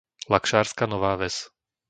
Lakšárska Nová Ves